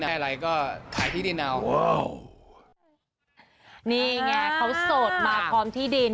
นี่ไงเขาโสดมาพร้อมที่ดิน